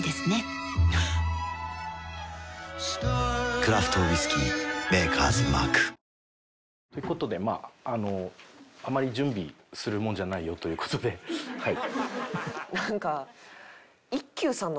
クラフトウイスキー「Ｍａｋｅｒ’ｓＭａｒｋ」という事でまああのあまり準備するもんじゃないよという事ではい。